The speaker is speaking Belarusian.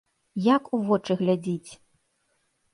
Як у вочы глядзіць?